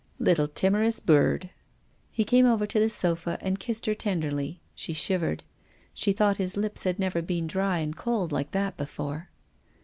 " Little timorous bird." He came over to the sofa and kissed her ten derly. She shivered. She thought his lips had never been dry and cold like that before.